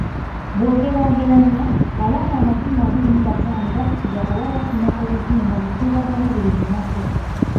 Bw'ogeraageranya, abaana amakumi abiri mu bataano battibwa oba bafuna obuvune mu bukuubagano buli lunaku.